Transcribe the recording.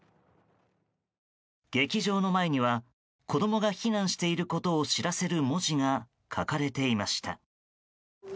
劇場の前には子供が避難していることを知らせる文字が書かれていました。